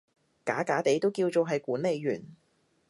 假假地都叫做係管理員